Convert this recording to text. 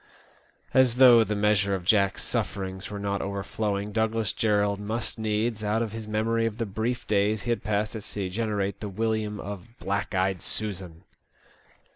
As though the measure of Jack's sufferings were not overflowing, Douglas Jerrold must needs, out of his memory of the brief days he had passed at sea, generate the William of " Black eyed Susan